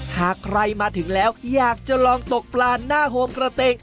หากใครมาถึงแล้วอยากจะลองตกปลาหน้าโฮมกระเตง